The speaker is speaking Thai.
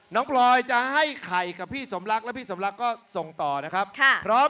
พลอยจะให้ไข่กับพี่สมรักแล้วพี่สมรักก็ส่งต่อนะครับ